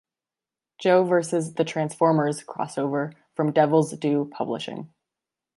Joe versus the Transformers crossover from Devil's Due Publishing.